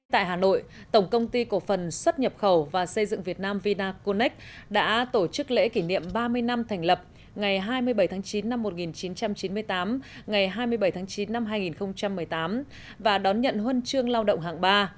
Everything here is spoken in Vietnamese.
tại hà nội tổng công ty cổ phần xuất nhập khẩu và xây dựng việt nam vinaconex đã tổ chức lễ kỷ niệm ba mươi năm thành lập ngày hai mươi bảy tháng chín năm một nghìn chín trăm chín mươi tám ngày hai mươi bảy tháng chín năm hai nghìn một mươi tám và đón nhận huân chương lao động hạng ba